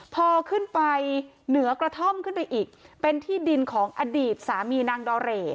พอขึ้นไปเหนือกระท่อมขึ้นไปอีกเป็นที่ดินของอดีตสามีนางดอเร่